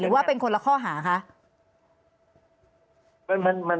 หรือว่าเป็นคนละข้อหาค่ะ